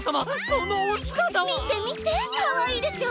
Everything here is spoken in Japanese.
そのお姿は⁉みてみてかわいいでしょ。